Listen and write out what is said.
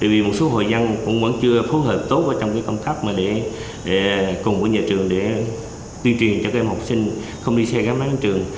vì một số hội dân cũng vẫn chưa phối hợp tốt trong công tác cùng với nhà trường để tuyên truyền cho các em học sinh không đi xe gắn máy đến trường